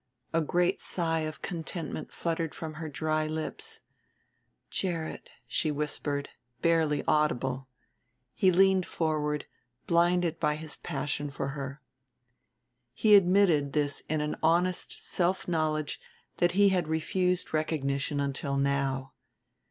A great sigh of contentment fluttered from her dry lips. "Gerrit," she whispered, barely audible. He leaned forward, blinded by his passion for her. He admitted this in an honest self knowledge that he had refused recognition until now.